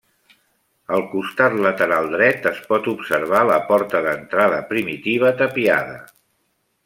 Al costat lateral dret es pot observar la porta d'entrada primitiva tapiada.